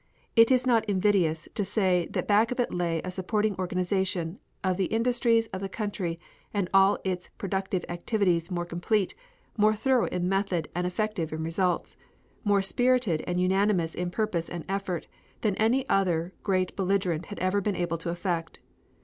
It is not invidious to say that back of it lay a supporting organization of the industries of the country and of all its productive activities more complete, more thorough in method and effective in results, more spirited and unanimous in purpose and effort than any other great belligerent had ever been able to effect.